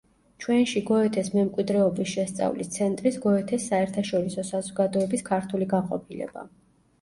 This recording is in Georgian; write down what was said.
ჩვენში გოეთეს მემკვიდრეობის შესწავლის ცენტრის გოეთეს საერთაშორისო საზოგადოების ქართული განყოფილება.